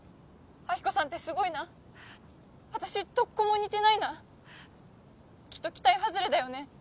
亜希子さんってすごいな私どっこも似てないなきっと期待はずれだよね